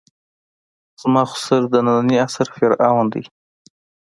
زما خُسر د نني عصر فرعون ده.